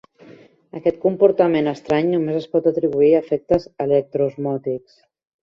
Aquest comportament estrany només es pot atribuir a efectes electroosmòtics.